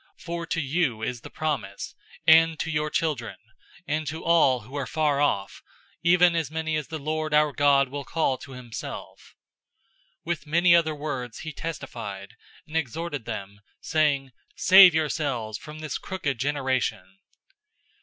002:039 For to you is the promise, and to your children, and to all who are far off, even as many as the Lord our God will call to himself." 002:040 With many other words he testified, and exhorted them, saying, "Save yourselves from this crooked generation!"